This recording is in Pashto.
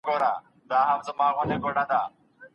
خپل بدن ته د صحي خوړو اړتیا ده.